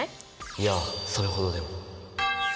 いやそれほどでも。